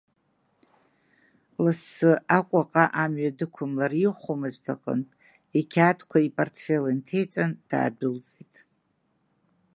Лассы Аҟәаҟа амҩа дықәымлар ихәомызт аҟынтә, иқьаадқәа ипартфел инҭеиҵан, даадәылҵит.